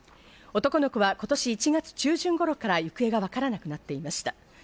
男の子は今年１月中旬頃から行方がわからなくなっていました。